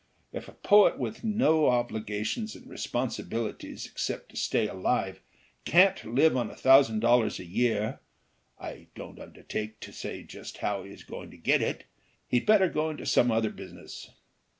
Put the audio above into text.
If a poet with no obligations and responsibilities except to stay alive can't live on a thousand dollars a year (I don't undertake to say just how he is going to get it), he'd better go into some other business."